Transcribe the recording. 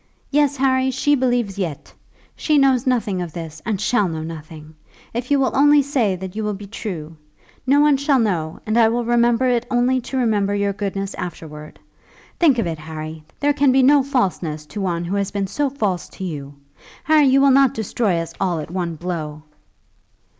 Yes, Harry, she believes yet. She knows nothing of this, and shall know nothing, if you will only say that you will be true. No one shall know, and I will remember it only to remember your goodness afterwards. Think of it, Harry; there can be no falseness to one who has been so false to you. Harry, you will not destroy us all at one blow?"